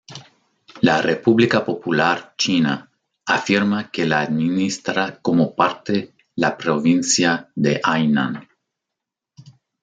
La República Popular China afirma que la administra como parte la provincia de Hainan.